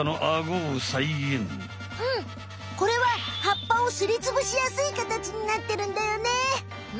これは葉っぱをすりつぶしやすいかたちになってるんだよね。